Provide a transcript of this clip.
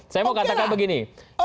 saya mau katakan begini